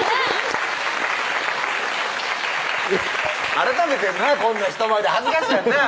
改めてなこんな人前で恥ずかしいやんなぁ